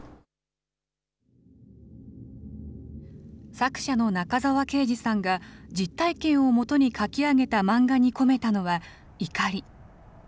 作者の中沢啓治さんが、実体験をもとに描き上げた漫画に込めたのは怒り。